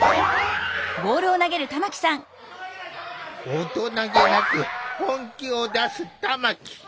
大人気なく本気を出す玉木。